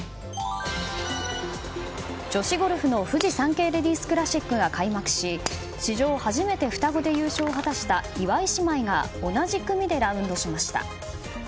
女子ゴルフのフジサンケイレディスクラシックが開幕し史上初めて双子で優勝を果たした岩井姉妹が同じ組でラウンドしました。